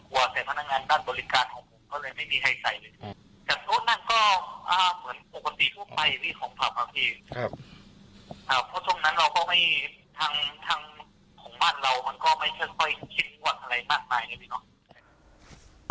ครับอ่าเพราะฉะนั้นเราก็ไม่ทางทางของบ้านเรามันก็ไม่ค่อยคิดว่าอะไรมากมายนะพี่น้อง